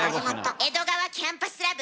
「江戸川キャンパスラブ」